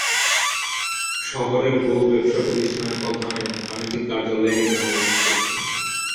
শহরের বহু ব্যবসা প্রতিষ্ঠানের প্রধান এবং বাণিজ্যিক কার্যালয় এখানে অবস্থিত।